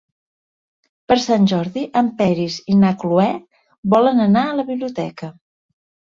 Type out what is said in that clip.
Per Sant Jordi en Peris i na Cloè volen anar a la biblioteca.